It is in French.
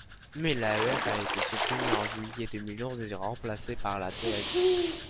Mais l’AER a été supprimée en juillet deux mille onze et remplacée par l’ATS.